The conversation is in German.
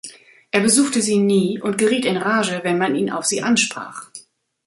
Er besuchte sie nie und geriet in Rage, wenn man ihn auf sie ansprach.